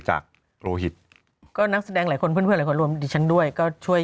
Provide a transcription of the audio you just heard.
จากโรหิตก็นักแสดงหลายคนเพื่อนหรือรวมดิฉันด้วยก็ช่วย